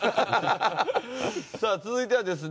さあ続いてはですね